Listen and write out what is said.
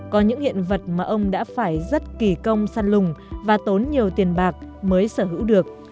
có những hiện vật mà ông đã phải rất kỳ công săn lùng và tốn nhiều tiền bạc mới sở hữu được